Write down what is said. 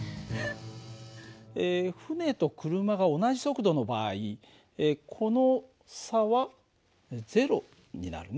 船と車が同じ速度の場合この差は０になるね。